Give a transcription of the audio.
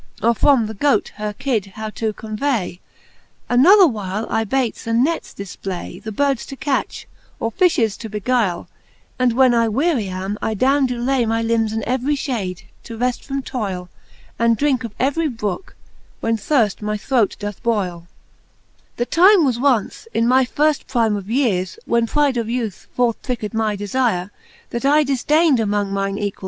Or from the goat her kidde how to convay : Another while, I baytes and nets difplay, The birds to catch, or fifties to beguyie : And when I wearie am, I downe doe lay My limbes in every fliade, to reft from toyle. And drinke of every brooke, when thirft my throte doth boyle. XXIV. The Canto IX. the Faerie §lueene, 343 XXIV. The time was once, in my firft prime of yeares, When pride of youth forth pricked my deflre. That I difdain'd amongft mine equal!